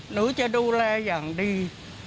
หนูจะดูแลอย่างดี